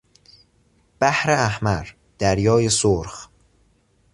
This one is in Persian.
بحر احمر، دریای سرخ